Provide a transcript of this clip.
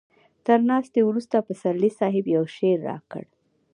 تر ناستې وروسته پسرلي صاحب يو شعر راکړ.